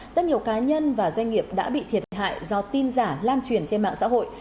rất nhiều cá nhân và doanh nghiệp đã bị thiệt hại do tin giả lan truyền trên mạng xã hội